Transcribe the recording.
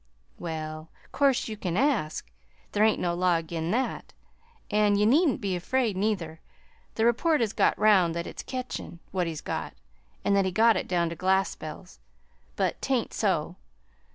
"Well, 'course you can ask there ain't no law ag'in' that; an' ye needn't be afraid, neither. The report has got 'round that it's ketchin' what he's got, and that he got it down to the Glaspells'; but 't ain't so.